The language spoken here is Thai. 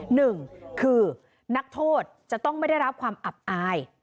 หนึ่งคือนักโทษจะต้องไม่ได้รับความอับอาย